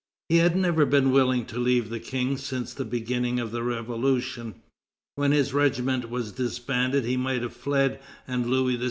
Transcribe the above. He had never been willing to leave the King since the beginning of the Revolution. When his regiment was disbanded he might have fled, and Louis XVI.